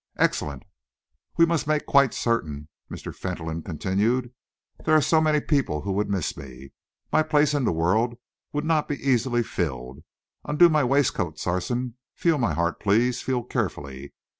"Excellent!" "We must make quite certain," Mr. Fentolin continued. "There are so many people who would miss me. My place in the world would not be easily filed. Undo my waistcoat, Sarson. Feel my heart, please. Feel carefully.